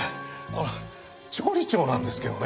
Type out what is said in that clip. あの調理長なんですけどね